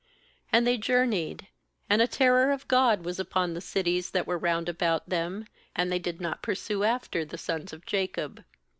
BAnd they journeyed; and a terror of God was upon the cities that were round about them, and they did not pursue after the sons of Jacob.